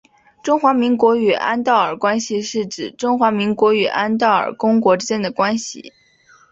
中华民国与安道尔关系是指中华民国与安道尔公国之间的关系。